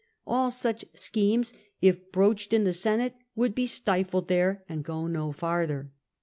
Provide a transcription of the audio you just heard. All such schemes, if broached in the Senate, would be stifled there and go no farther.